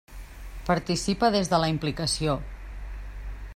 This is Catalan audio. Participa des de la implicació.